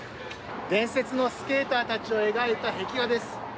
伝説のスケーターたちを描いた壁画です。